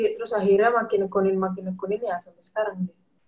terus akhirnya makin nekunin makin nekunin ya sampe sekarang